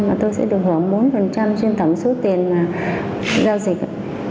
mà tôi sẽ được hưởng bốn trên tổng số tiền giao dịch